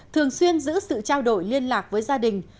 thường xuyên giữ sự trao đổi liên lạc với gia đình